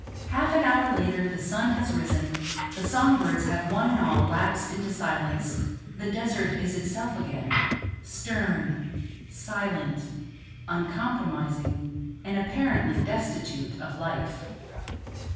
Half an hour later the sun has risen, the song birds have one and all lapsed into silence, the desert is itself again, stern, silent, uncompromising, and apparently destitute of life.